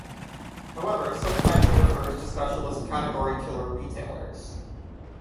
However, sometimes it refers to specialist category killer retailers.